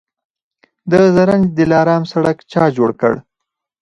د زرنج دلارام سړک چا جوړ کړ؟